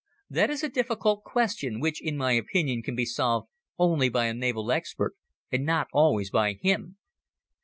That is a difficult question which in my opinion can be solved only by a naval expert, and not always by him.